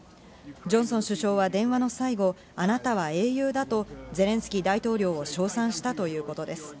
ジョンソン首相は電話の最後、あなたは英雄だとゼレンスキー大統領を称賛したということです。